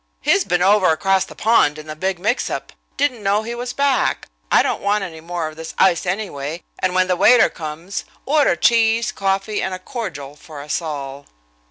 He's been over across the pond in the big mixup. Didn't know he was back. I don't want any more of this ice, anyway, and when the waiter comes, order cheese, coffee and a cordial for us all."